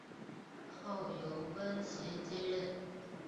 后由翁楷接任。